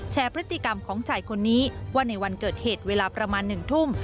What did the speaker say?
พฤติกรรมของชายคนนี้ว่าในวันเกิดเหตุเวลาประมาณ๑ทุ่ม